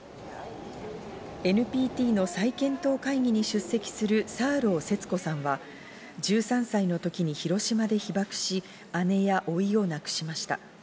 ＮＰＴの再検討会議に出席するサーロー節子さんは１３歳の時に広島で被爆し、姉や甥を亡くしました。